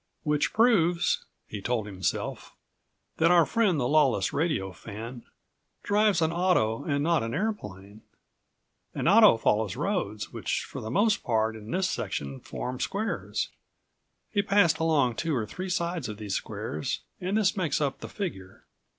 "Which proves," he told himself, "that our friend, the lawless radio fan, drives an auto and not an airplane. An auto follows roads, which for the most part in this section form58 squares. He passed along two or three sides of these squares and this makes up the figure.